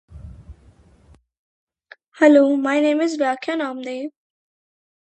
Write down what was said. So there is another small dale leading down into the village from the east.